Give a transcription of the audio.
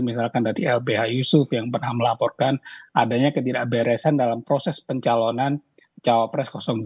misalkan dari lbh yusuf yang pernah melaporkan adanya ketidakberesan dalam proses pencalonan cawapres dua